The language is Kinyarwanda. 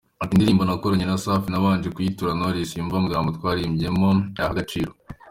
Ati “Indirimbo nakoranye na Safi nabanje kuyitura Knowless, yumve amagambo twaririmbyemo ayahe agaciro.